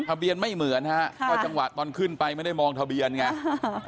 ทะเบียนไม่เหมือนฮะก็จังหวะตอนขึ้นไปไม่ได้มองทะเบียนไง